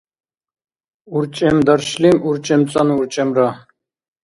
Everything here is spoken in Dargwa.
урчӀемдаршлим урчӀемцӀанну урчӀемра